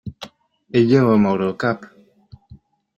Ella va moure el cap.